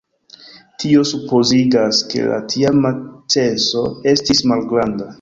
Tio supozigas, ke la tiama censo estis malgranda.